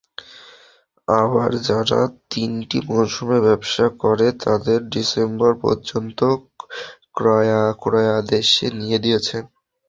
আবার যারা তিনটি মৌসুমে ব্যবসা করে, তারা ডিসেম্বর পর্যন্ত ক্রয়াদেশ দিয়ে দিয়েছে।